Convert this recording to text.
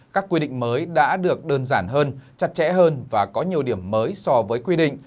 các quy định mới đã được đơn giản hơn chặt chẽ hơn và có nhiều điểm mới so với quy định